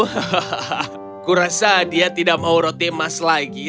hahaha kuasa dia tidak mau roti emas lagi